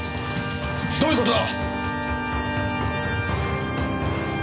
どういう事だ？